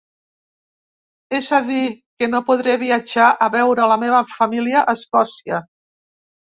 És a dir, que no podré viatjar a veure la meva família a Escòcia.